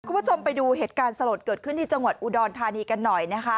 คุณผู้ชมไปดูเหตุการณ์สลดเกิดขึ้นที่จังหวัดอุดรธานีกันหน่อยนะคะ